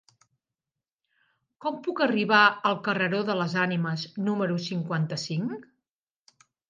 Com puc arribar al carreró de les Ànimes número cinquanta-cinc?